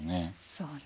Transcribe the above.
そうね。